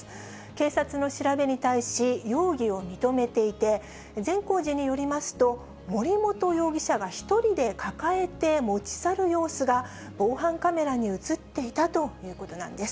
警察の調べに対し、容疑を認めていて、善光寺によりますと、森本容疑者が１人で抱えて持ち去る様子が、防犯カメラに写っていたということなんです。